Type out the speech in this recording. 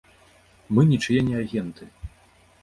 Мы нічые не агенты.